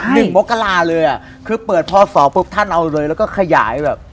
มกราเลยอ่ะคือเปิดพอสองปุ๊บท่านเอาเลยแล้วก็ขยายแบบ